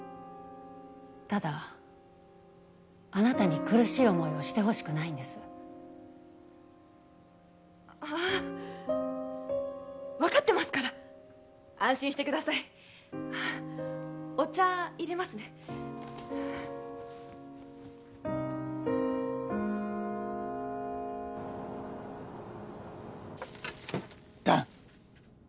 ただあなたに苦しい思いをしてほしくないんですああ分かってますから安心してくださいお茶入れますね弾！